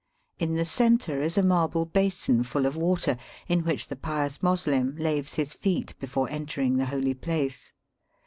In the centre is a marble basin full of water, in which the pious Moslem laves his feet before entering the holy place.